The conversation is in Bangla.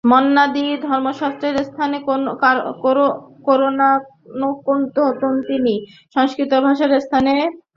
মন্বাদি ধর্মশাস্ত্রের স্থানে কোরানোক্ত দণ্ডনীতি, সংস্কৃত ভাষার স্থানে পারসী আরবী।